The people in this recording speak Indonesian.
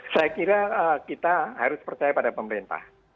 saya kira kita harus percaya pada pemerintah